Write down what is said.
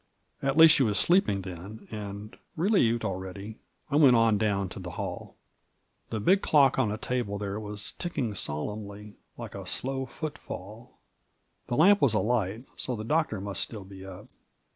At least she was sleeping then, and, re lieved abeady, I went on down to the haU. The big clock on a table there was ticking solemnly, like a slow footfall ; the lamp was alight, so the Doctor must be still up.